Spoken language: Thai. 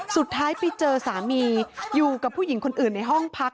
สุดท้ายไปเจอสามีอยู่กับผู้หญิงคนอื่นในห้องพัก